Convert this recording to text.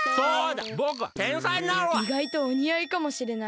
いがいとおにあいかもしれない。